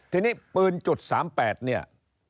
ทีนี้ปืน๓๘เนี่ย